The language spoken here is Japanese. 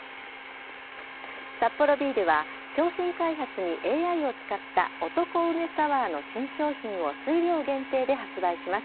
サッポロビールは商品開発にＡＩを使った男梅サワーの新商品を数量限定で発売します。